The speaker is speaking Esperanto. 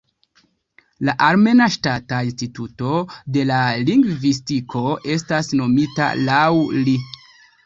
La armena Ŝtata Instituto de Lingvistiko estas nomita laŭ li.